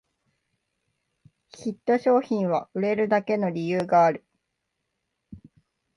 ヒット商品は売れるだけの理由がある